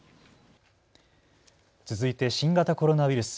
続いて新型コロナウイルス。